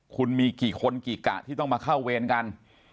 คุณมีกี่คนกี่กะที่ต้องมาเข้าเวรกัน